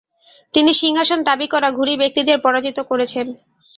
তিনি সিংহাসন দাবি করা ঘুরি ব্যক্তিদের পরাজিত করেছেন।